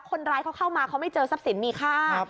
คนร้ายเขาเข้ามาเขาไม่เจอทรัพย์สินมีค่า